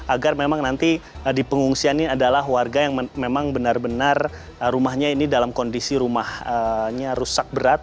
agar memang nanti di pengungsian ini adalah warga yang memang benar benar rumahnya ini dalam kondisi rumahnya rusak berat